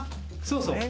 そうそう。